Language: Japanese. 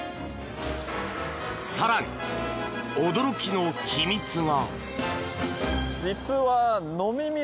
更に、驚きの秘密が！